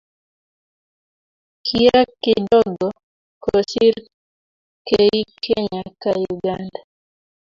kiek kidogo kosir kei kenya ka uganda